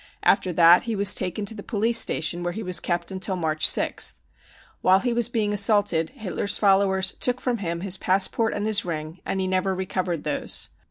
After that he was taken to the police station where he was kept until March 6th. While he was being assaulted Hitler's followers took from him his passport and his rjng and he never recovered these.